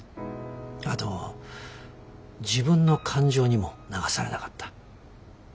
あと自分の感情にも流されなかった。